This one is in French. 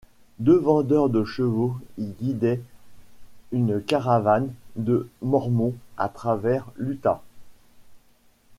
Deux vendeurs de chevaux y guidaient une caravane de mormons à travers l’Utah.